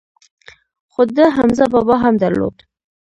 خو ده حمزه بابا هم درلود.